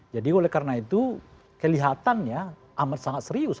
jadi oleh karena itu kelihatannya amat sangat serius